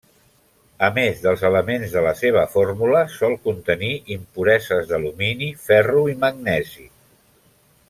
A més dels elements de la seva fórmula, sol contenir impureses d'alumini, ferro i magnesi.